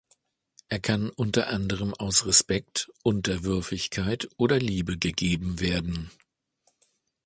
Er kann unter anderem aus Respekt, Unterwürfigkeit oder Liebe gegeben werden.